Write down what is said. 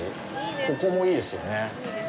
ここもいいですよね。